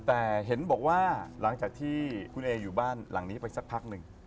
แต่เห็นบอกว่าหลังจากที่คุณเออยู่บ้านหลังนี้ไปสักพักหนึ่ง